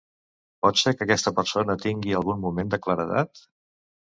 Pot ser que aquesta persona tingui algun moment de claredat?